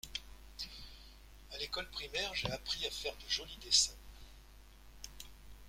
À l’école primaire j’ai appris à faire de joli dessins.